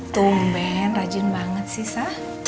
tumben rajin banget sih sah